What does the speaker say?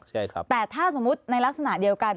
ใช่ครับแต่ถ้าสมมุติในลักษณะเดียวกัน